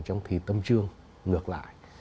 trong thí tâm trương ngược lại